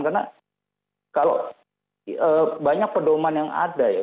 karena kalau banyak pedoman yang ada ya